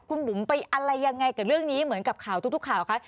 คุณบุ๋มไปอะไรยังไงกับเรื่องนี้เหมือนกับข่าวทุกข่าวคะ